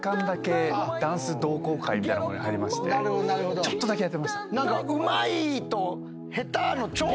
ちょっとだけやってました。